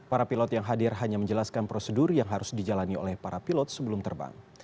para pilot yang hadir hanya menjelaskan prosedur yang harus dijalani oleh para pilot sebelum terbang